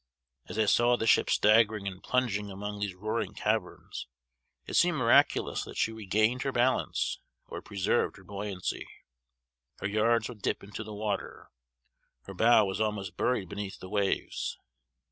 As I saw the ship staggering and plunging among these roaring caverns, it seemed miraculous that she regained her balance, or preserved her buoyancy. Her yards would dip into the water; her bow was almost buried beneath the waves.